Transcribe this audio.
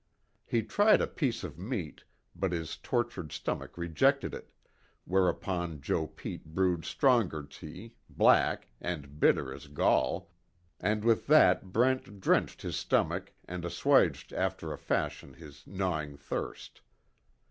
He tried a piece of meat but his tortured stomach rejected it, whereupon Joe Pete brewed stronger tea, black, and bitter as gall, and with that Brent drenched his stomach and assuaged after a fashion his gnawing thirst.